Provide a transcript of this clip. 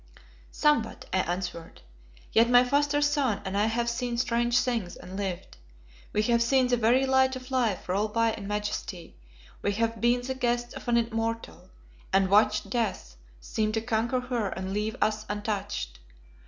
"Somewhat," I answered. "Yet my foster son and I have seen strange things and lived. We have seen the very Light of Life roll by in majesty; we have been the guests of an Immortal, and watched Death seem to conquer her and leave us untouched.